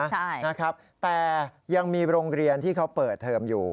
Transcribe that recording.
ใช่นะครับแต่ยังมีโรงเรียนที่เขาเปิดเทอมอยู่